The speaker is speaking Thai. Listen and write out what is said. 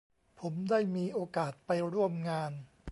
ผมได้มีโอกาสไปร่วมงาน